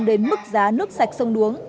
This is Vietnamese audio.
đến mức giá nước sạch sông đuống